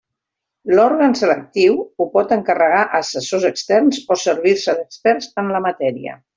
L'òrgan selectiu ho pot encarregar a assessors externs o servir-se d'experts en la matèria.